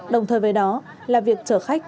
đồng thời với đó là việc chở khách